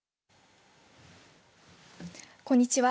こんにちは。